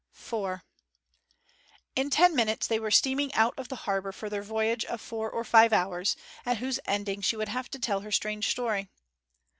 IV In ten minutes they were steaming out of the harbour for their voyage of four or five hours, at whose ending she would have to tell her strange story.